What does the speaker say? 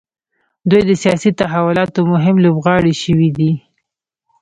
دوی د سیاسي تحولاتو مهم لوبغاړي شوي دي.